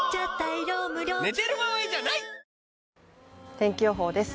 天気予報です。